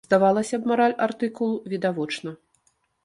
Здавалася б мараль артыкулу відавочна.